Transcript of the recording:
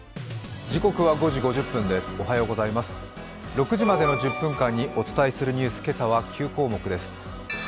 ６時までの１０分間にお伝えするニュース、今朝は９項目です。